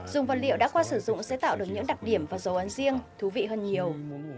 dùng vật liệu đã qua sử dụng sẽ tạo được những đặc điểm và dấu ấn riêng thú vị hơn nhiều